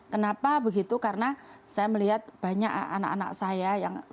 kenapa begitu karena saya melihat banyak anak anak saya yang